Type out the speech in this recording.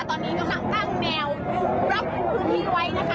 ตอนนี้ก็ค่อนข้างแนวรับคุณผู้ที่ไว้นะคะ